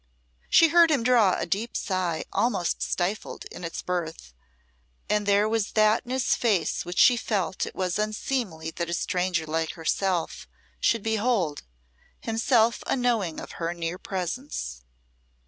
She heard him draw a deep sigh almost stifled in its birth, and there was that in his face which she felt it was unseemly that a stranger like herself should behold, himself unknowing of her near presence.